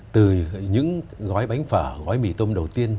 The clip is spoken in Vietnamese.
từ những gói bánh phở gói mì tôm đầu tiên